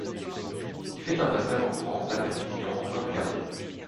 Il fait un passage en France à Perpignan en fin de carrière.